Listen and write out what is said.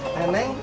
iya ma itu neneng